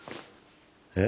えっ？